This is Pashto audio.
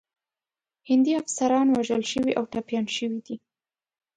هندي افسران وژل شوي او ټپیان شوي دي.